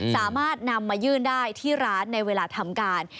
สามารถนำมายื่นได้ที่ร้านในเวลาทำการ